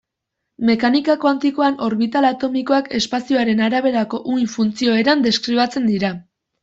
Mekanika kuantikoan orbital atomikoak espazioaren araberako uhin-funtzio eran deskribatzen dira.